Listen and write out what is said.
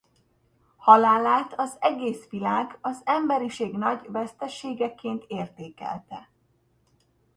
Halálát az egész világ az emberiség nagy veszteségeként értékelte.